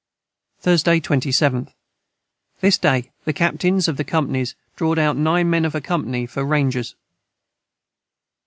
Thursday 27th. This day the Captains of the Companys drawed out 9 men of a company for ranjers.